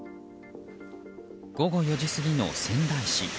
午後４時過ぎの仙台市。